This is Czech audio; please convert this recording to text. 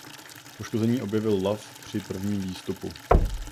Poškození objevil Love při prvním výstupu.